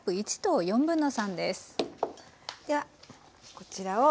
ではこちらを。